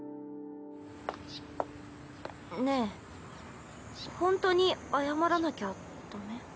ねえほんとに謝らなきゃダメ？